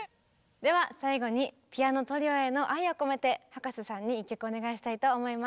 では最後にピアノトリオへの愛を込めて葉加瀬さんに１曲お願いしたいと思います。